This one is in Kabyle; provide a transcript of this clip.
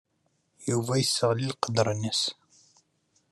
Yuba yesseɣli s leqder-nnes.